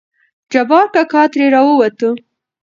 جبار کاکا ترې راووتو.